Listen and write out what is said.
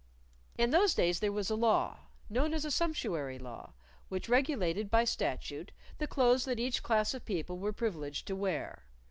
In those days there was a law, known as a sumptuary law, which regulated by statute the clothes that each class of people were privileged to wear.